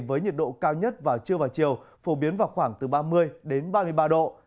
với nhiệt độ cao nhất vào trưa và chiều phổ biến vào khoảng từ ba mươi đến ba mươi ba độ